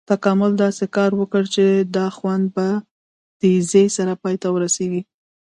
تکامل داسې کار وکړ چې دا خوند په تیزي سره پای ته ورسېږي.